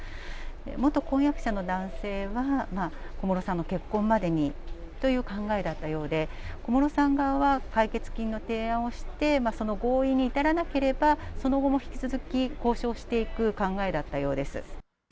元婚約者の男性は、小室さんの結婚までにという考えだったようで、小室さん側は解決金の提案をして、その合意に至らなければ、その後も引き続き交渉していく考えだったようです。